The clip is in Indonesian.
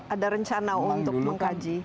ada rencana untuk mengkaji